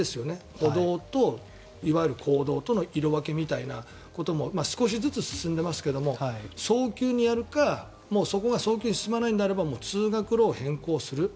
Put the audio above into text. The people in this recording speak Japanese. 歩道と公道との色分けみたいなことも少しずつ進んでいますが早急にやるかそこが早急に進まないのであれば通学路を変更する。